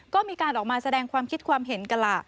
ก็มีการออกมาแสดงความคิดความเห็นกันล่ะ